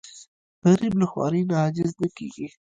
غریب له خوارۍ نه عاجز نه کېږي